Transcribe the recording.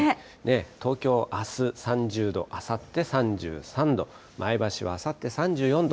東京、あす、３０度、あさって３３度、前橋はあさって３４度。